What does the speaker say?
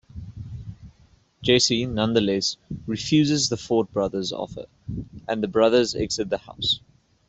Jesse nevertheless refuses the Ford brothers' offer, and the brothers exit the house.